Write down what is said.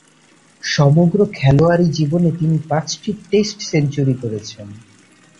সমগ্র খেলোয়াড়ী জীবনে তিনি পাঁচটি টেস্ট সেঞ্চুরি করেছেন।